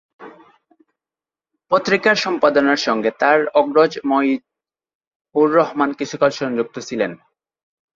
পত্রিকার সম্পাদনার সঙ্গে তার অগ্রজ মঈদ-উর-রহমান কিছুকাল যুক্ত ছিলেন।